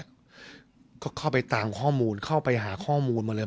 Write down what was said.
ก็เข้าไปตามข้อมูลเข้าไปหาข้อมูลมาเลย